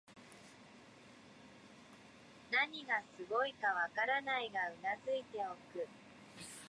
何がすごいかわからないが頷いておく